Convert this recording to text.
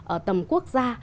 ở tầm quốc gia